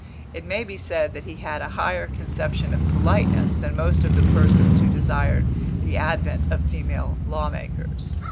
It may be said that he had a higher conception of politeness than most of the persons who desired the advent of female law makers.